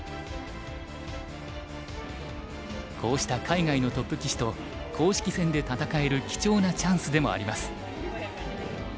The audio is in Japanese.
こうした海外のトップ棋士と公式戦で戦える貴重なチャンスでもあります。